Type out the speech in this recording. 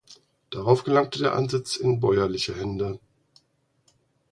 Darauf gelangte der Ansitz in bäuerliche Hände.